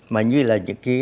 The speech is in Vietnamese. mà như là những cái